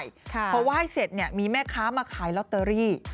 เพราะว่าให้เสร็จมีแม่ค้ามาขายลอตเตอรี่